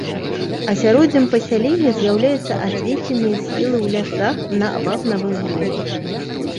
Асяроддзем пасялення з'яўляюцца асветленыя схілы ў лясах на вапнавых глебах.